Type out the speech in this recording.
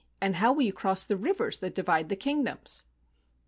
And how will you cross the rivers that divide the kingdoms